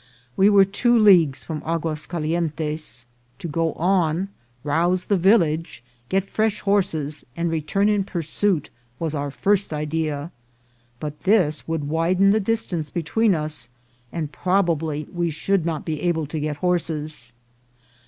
We were two leagues from Aguas Calientes. ><* To go on, rouse the village, get fresh horses, and return in pursuit, was our first idea ; but this would widen the distance between us, and probably we should not be able to get horses.